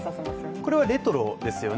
これはレトロですよね